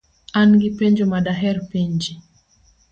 An gi penjo ma daher penji.